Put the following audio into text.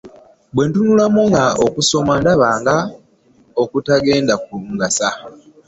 bwe ntunulamu nga okusoma ndaba nga okutagenda kungasa.